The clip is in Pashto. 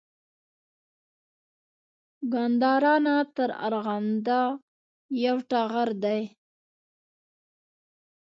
ګندارا نه تر ارغند یو ټغر دی